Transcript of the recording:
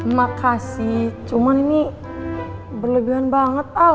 makasih cuman ini berlebihan banget